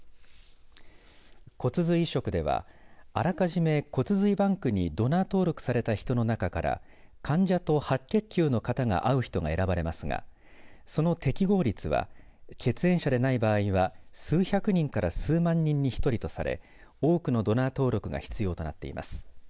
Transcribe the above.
骨髄移植ではあらかじめ骨髄バンクにドナー登録された人の中から患者と白血球の型が合う人が選ばれますがその適合率は血縁者でない場合は数百人から数万人に１人とされ多くのドナー登録が必要となっています。